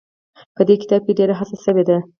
په دې کتاب کې ډېره هڅه شوې ده.